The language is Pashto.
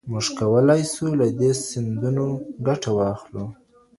موږ کولای سو له دې سندونو ګټه واخلو.